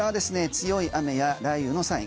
強い雨や雷雨のサイン。